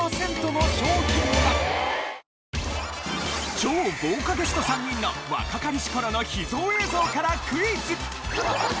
超豪華ゲスト３人の若かりし頃の秘蔵映像からクイズ！